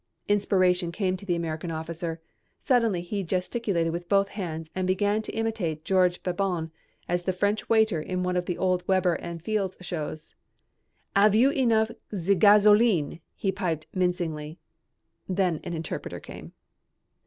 Inspiration came to the American officer. Suddenly he gesticulated with both hands and began to imitate George Beban as the French waiter in one of the old Weber and Fields shows. "'Ave you enough of ze gaz o leene?" he piped mincingly. Then an interpreter came.